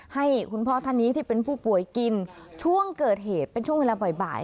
ให้คุณพ่อท่านนี้ที่เป็นผู้ป่วยกินช่วงเกิดเหตุเป็นช่วงเวลาบ่าย